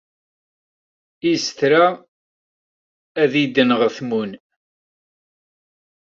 Is tra ad idenɣ tmun?